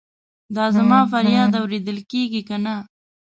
دا زما فریاد اورېدل کیږي کنه؟